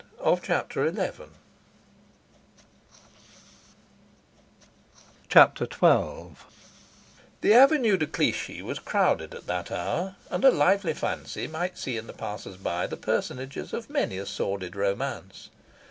Chapter XII The Avenue de Clichy was crowded at that hour, and a lively fancy might see in the passers by the personages of many a sordid romance.